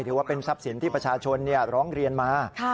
ถือว่าเป็นทรัพย์สินที่ประชาชนร้องเรียนมา